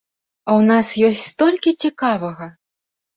А ў нас ёсць столькі цікавага!